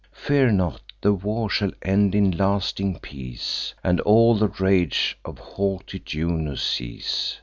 Fear not! The war shall end in lasting peace, And all the rage of haughty Juno cease.